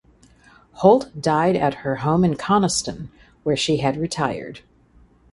Holt died at her home in Coniston where she had retired.